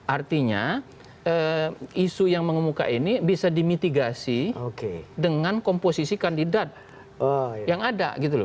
artinya isu yang mengemuka ini bisa dimitigasi dengan komposisi kandidat yang ada gitu loh